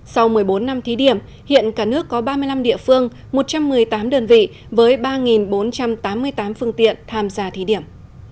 sau một mươi bốn năm thí điểm hiện cả nước có ba mươi năm địa phương một trăm một mươi tám đơn vị với ba bốn trăm tám mươi tám phương tiện tham gia thí điểm